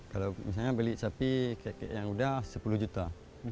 kalau misalnya beli sapi yang udah sepuluh juta